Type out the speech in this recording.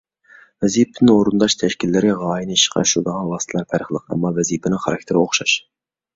ۋەزىپىنى ئورۇنداش شەكىللىرى، غايىنى ئىشقا ئاشۇرىدىغان ۋاسىتىلەر پەرقلىق، ئەمما ۋەزىپىنىڭ خاراكتېرى ئوخشاش.